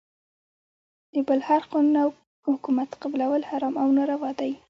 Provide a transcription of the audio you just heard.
د بل هر قانون او حکومت قبلول حرام او ناروا دی .